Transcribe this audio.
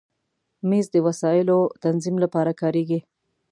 مېز د وسایلو تنظیم لپاره کارېږي.